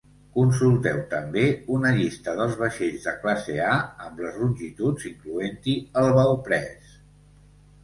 Consulteu també una llista dels vaixells de classe A amb les longituds, incloent-hi el bauprès.